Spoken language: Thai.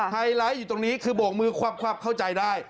ไฮไลท์อยู่ตรงนี้คือโบกมือความเข้าใจได้